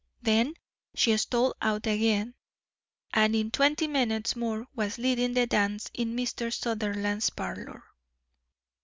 Then she stole out again, and in twenty minutes more was leading the dance in Mr. Sutherland's parlour."